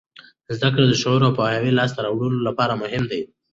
زده کړه د شعور او پوهاوي د لاسته راوړلو لپاره مهم دی.